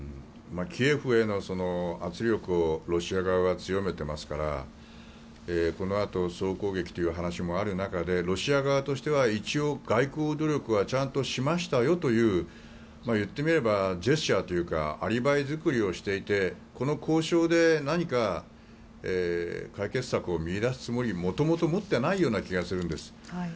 キエフへの圧力をロシア側が強めていますからこのあと総攻撃という話もある中でロシア側としては一応外交努力はしましたよという言ってみればジェスチャーというかアリバイ作りをしていてこの交渉で何か解決策を見いだすつもりは元々、持っていないような気がするんです。